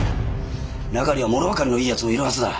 中には物分かりのいい奴もいるはずだ。